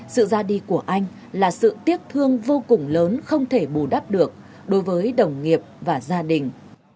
sự ra đi của anh là sự tiếc thương vô cùng lớn không thể bù đắp được đối với đồng nghiệp và gia đình